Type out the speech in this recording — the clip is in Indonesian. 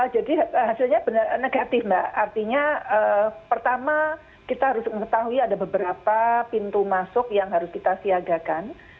jadi hasilnya negatif mbak artinya pertama kita harus mengetahui ada beberapa pintu masuk yang harus kita siagakan